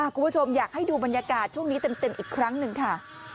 คุณผู้ชมอยากให้ดูบรรยากาศช่วงนี้เต็มอีกครั้งหนึ่งค่ะ